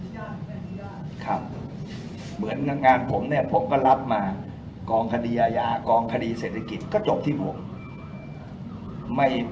ยากไหมยากครับเหมือนงานผมเนี่ยผมก็รับมากองคดีอาญากองคดีเศรษฐกิจก็จบที่ผม